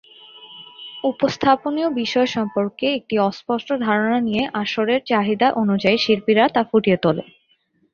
উপস্থাপনীয় বিষয় সম্পর্কে একটা অস্পষ্ট ধারণা নিয়ে আসরের চাহিদা অনুযায়ী শিল্পীরা তা ফুটিয়ে তোলে।